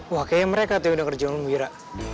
wah kayaknya mereka tuh yang udah kerja sama wira